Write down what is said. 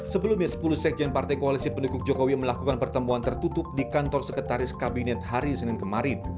sebelumnya sepuluh sekjen partai koalisi pendukung jokowi melakukan pertemuan tertutup di kantor sekretaris kabinet hari senin kemarin